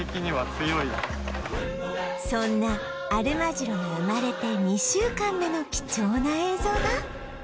そんなアルマジロが生まれて２週間目の貴重な映像が